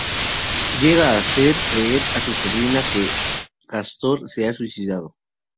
Llega a hacer creer a su sobrina que Cástor se ha suicidado.